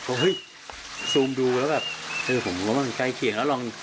ก็เฮ้ยซูมดูแล้วแบบผมรู้ว่ามันใกล้เคียง